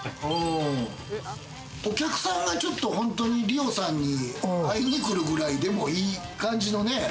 お客さんがちょっとホントに梨緒さんに会いに来るくらいでもいい感じのね。